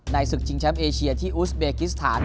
ศึกชิงแชมป์เอเชียที่อุสเบกิสถาน